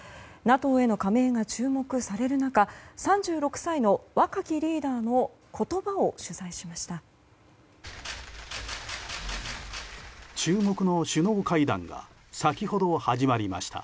ＮＡＴＯへの加盟が注目される中３６歳の若きリーダーの言葉を取材しました。